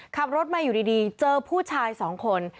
ขับรถมาอยู่ดีเจอผู้ชายสองคน